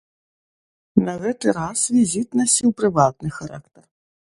На гэты раз візіт насіў прыватны характар.